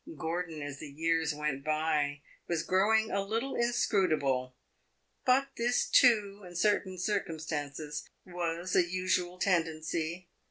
Gordon, as the years went by, was growing a little inscrutable; but this, too, in certain circumstances, was a usual tendency.